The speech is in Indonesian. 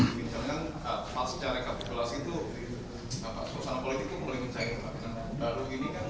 apa perusahaan politik itu mulai mencairkan